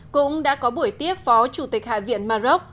cũng đã có buổi tiếp phó chủ tịch hạ viện maroc